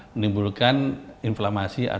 menimbulkan inflamasi atau gampang